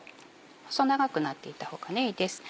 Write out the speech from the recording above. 細長くなっていた方がいいです。